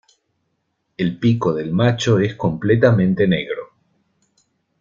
El pico del macho es completamente negro.